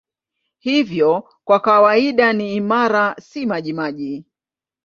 Hivyo kwa kawaida ni imara, si majimaji.